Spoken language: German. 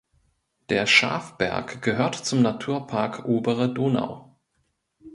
Der Schafberg gehört zum Naturpark Obere Donau.